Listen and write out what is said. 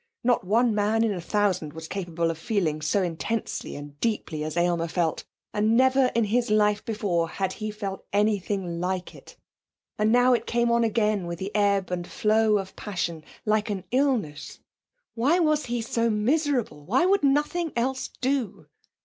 Not one man in a thousand was capable of feeling so intensely and deeply as Aylmer felt, and never in his life before had he felt anything like it. And now it came on again with the ebb and flow of passion, like an illness. Why was he so miserable why would nothing else do?